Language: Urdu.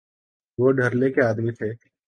وہ دھڑلے کے آدمی تھے۔